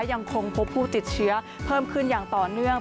ยังคงพบผู้ติดเชื้อเพิ่มขึ้นอย่างต่อเนื่อง